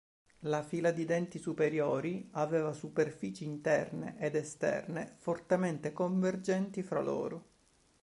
La fila di denti superiori aveva superfici interne ed esterne fortemente convergenti fra loro.